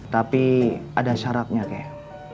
tapi ada syaratnya kek